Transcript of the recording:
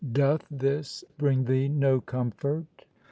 Doth this bring thee no comfort?'